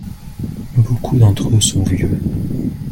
Beaucoup d'entre eux sont vieux.